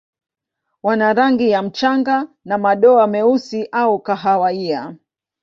Wana rangi ya mchanga na madoa meusi au kahawia.